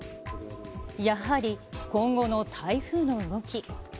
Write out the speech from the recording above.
やはり今後の台風の動き。